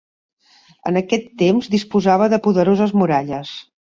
En aquest temps disposava de poderoses muralles.